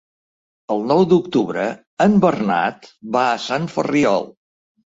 El nou d'octubre en Bernat va a Sant Ferriol.